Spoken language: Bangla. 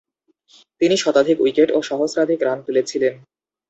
তিনি শতাধিক উইকেট ও সহস্রাধিক রান তুলেছিলেন।